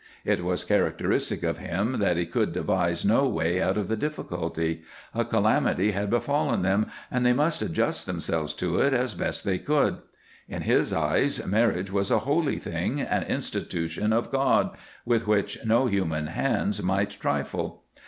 It was characteristic of him that he could devise no way out of the difficulty. A calamity had befallen them, and they must adjust themselves to it as best they could. In his eyes marriage was a holy thing, an institution of God, with which no human hands might trifle.